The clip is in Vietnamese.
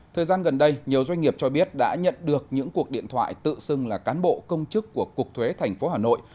thời gian gần đây nhiều doanh nghiệp cho biết đã nhận được những cuộc điện thoại tự xưng là cán bộ công chức của cục thuế tp hà nội